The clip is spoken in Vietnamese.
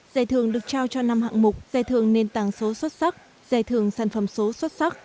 giải thưởng được trao cho năm hạng mục giải thưởng nền tảng số xuất sắc giải thưởng sản phẩm số xuất sắc